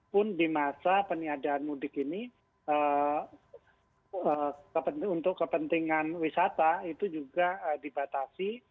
pun di masa peniadaan mudik ini untuk kepentingan wisata itu juga dibatasi